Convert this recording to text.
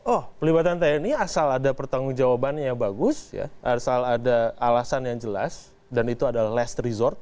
oh pelibatan tni asal ada pertanggung jawabannya bagus asal ada alasan yang jelas dan itu adalah less resort